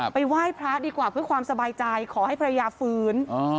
ไหว้พระดีกว่าเพื่อความสบายใจขอให้ภรรยาฟื้น